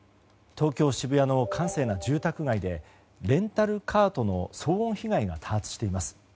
東京・渋谷の閑静な住宅街でレンタルカートの騒音被害が多発しています。